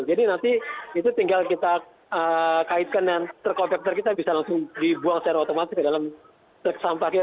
jadi nanti itu tinggal kita kaitkan dengan truk kompetitor kita bisa langsung dibuang secara otomatis ke dalam truk sampah kita